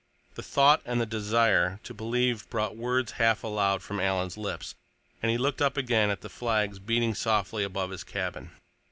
The thought and the desire to believe brought words half aloud from Alan's lips, as he looked up again at the flags beating softly above his cabin.